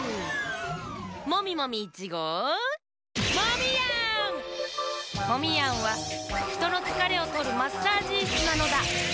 モミモミ１ごうモミヤンはひとのつかれをとるマッサージイスなのだ。